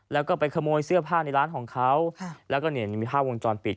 แล้วก็ไปขโมยเสื้อผ้าในร้านของเขาแล้วก็เนี่ยมีภาพวงจรปิด